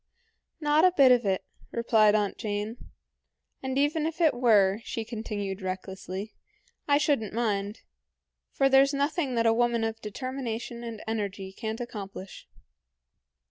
"Not a bit of it," replied Aunt Jane. "And even if it were," she continued recklessly, "I should n't mind, for there's nothing that a woman of determination and energy can't accomplish."